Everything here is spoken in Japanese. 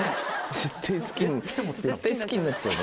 絶対好きになっちゃうの？